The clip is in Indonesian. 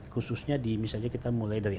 khususnya di misalnya kita mulai dari